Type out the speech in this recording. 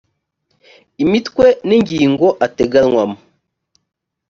imitwe n’ingingo ateganywamo